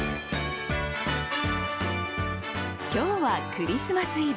今日はクリスマスイブ。